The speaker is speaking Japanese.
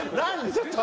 ちょっと。